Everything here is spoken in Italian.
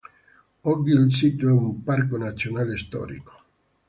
Oggi il sito è un parco nazionale storico.